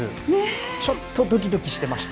ちょっとドキドキしてました。